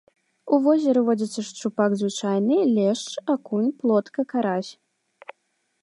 У возеры водзяцца шчупак звычайны, лешч, акунь, плотка, карась.